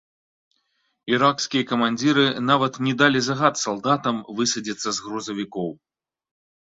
Іракскія камандзіры нават не далі загад салдатам высадзіцца з грузавікоў.